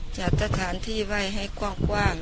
จัดสถานที่ไว้ให้กว้าง